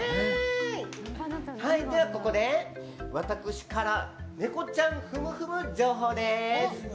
では、ここで私からネコちゃんふむふむ情報です。